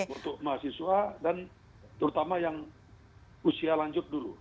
untuk mahasiswa dan terutama yang usia lanjut dulu